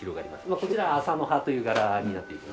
こちら麻の葉という柄になっています。